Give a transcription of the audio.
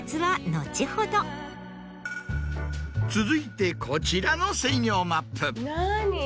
続いてこちらの専用マップ。